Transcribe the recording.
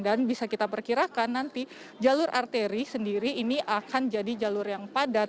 dan bisa kita perkirakan nanti jalur arteri sendiri ini akan jadi jalur yang padat